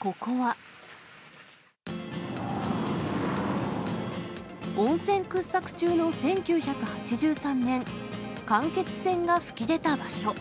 ここは、温泉掘削中の１９８３年、間欠泉が噴き出た場所。